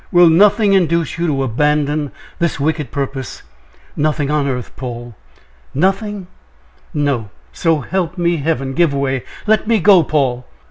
"Will nothing induce you to abandon this wicked purpose?" "Nothing on earth, Paul!" "Nothing?" "No! so help me Heaven! Give way let me go, Paul."